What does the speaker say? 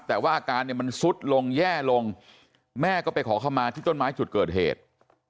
แต่ว่าอาการเนี่ยมันซุดลงแย่ลงแม่ก็ไปขอเข้ามาที่ต้นไม้จุดเกิดเหตุ